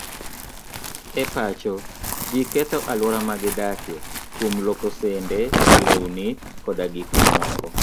E pacho, ji ketho alwora ma gidakie kuom lwoko sende, lewni, koda gik mamoko.